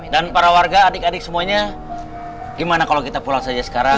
dan para warga adik adik semuanya gimana kalau kita pulang saja sekarang